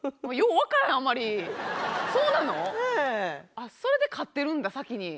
あっそれで飼ってるんだ先に。